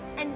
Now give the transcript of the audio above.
あの